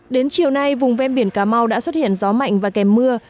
đến chiều nay vùng ven biển cà mau đã xuất hiện gió mạnh và kèm mưa